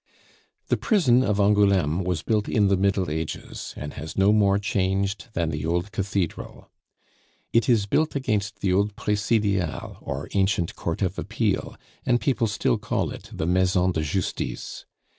The prison of Angouleme was built in the Middle Ages, and has no more changed than the old cathedral. It is built against the old presidial, or ancient court of appeal, and people still call it the maison de justice.